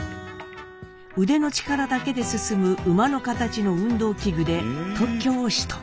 腕の力だけで進む馬の形の運動器具で特許を取得。